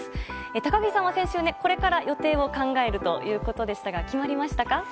高木さんは先週これから予定を考えるということでしたが決まりましたか？